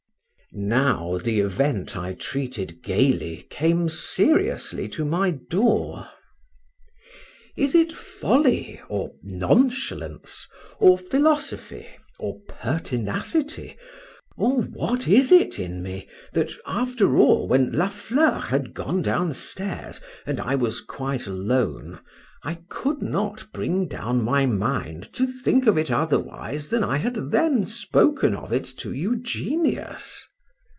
Now the event I treated gaily came seriously to my door. Is it folly, or nonchalance, or philosophy, or pertinacity—or what is it in me, that, after all, when La Fleur had gone down stairs, and I was quite alone, I could not bring down my mind to think of it otherwise than I had then spoken of it to Eugenius?